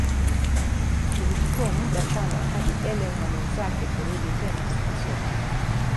Ilichukua muda sana hadi Ellen na mwenzake kurudi tena katika soko.